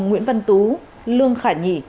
nguyễn văn tú lương khải nhĩ